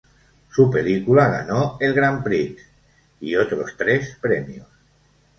Su película ganó el Grand Prix y otros tres premios.